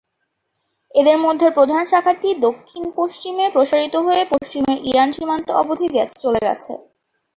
এদের মধ্যে প্রধান শাখাটি দক্ষিণ-পশ্চিমে প্রসারিত হয়ে পশ্চিমের ইরান সীমান্ত অবধি চলে গেছে।